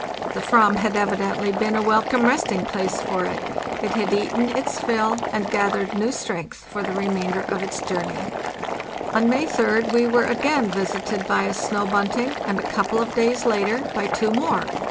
The /yvam had evidently been a welcome resting place for it; it had eaten its fill, and gathered new strength for the remainder of its journey. On May 3d we were again visited by a snow bunting, and a couple of days later by two more.